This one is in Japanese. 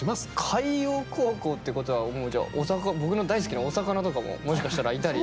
海洋高校ってことはもうじゃあ僕の大好きなお魚とかももしかしたらいたり。